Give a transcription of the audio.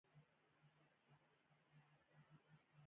د غذایي تامین او اوبو په برخه کې د سالم ژوند لپاره.